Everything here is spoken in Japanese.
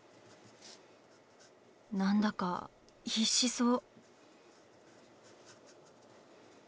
何だか必死そう。